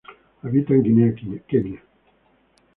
Habita en Guinea, Kenia.